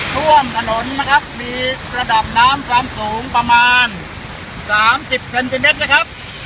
ท่วมถนนนะครับมีระดับน้ำความสูงประมาณ๓๐เซนติเมตรนะครับ